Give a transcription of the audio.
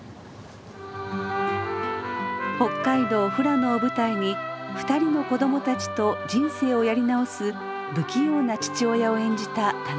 北海道富良野を舞台に２人の子供たちと人生をやり直す不器用な父親を演じた田中さん。